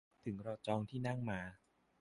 ถึงเราจองที่นั่งมา